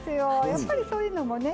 やっぱりそういうのもね